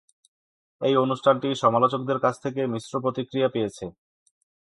এই অনুষ্ঠানটি সমালোচকদের কাছ থেকে মিশ্র প্রতিক্রিয়া পেয়েছে।